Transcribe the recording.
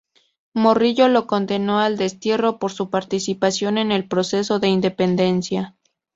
Morillo lo condenó al destierro por su participación en el proceso de independencia.